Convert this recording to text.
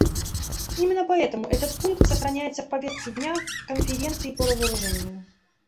Именно поэтому этот пункт сохраняется в повестке дня Конференции по разоружению.